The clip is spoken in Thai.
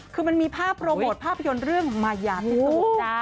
คือมันมีภาพโรโมทภาพยนตร์เรื่องมายาที่สุด